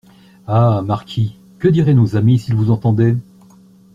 Ah ! marquis, que diraient nos amis, s'ils vous entendaient ?